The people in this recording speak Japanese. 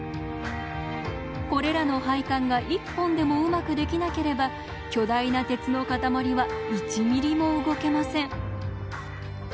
これらの配管が一本でもうまくできなければ巨大な鉄の塊は１ｍｍも動けません。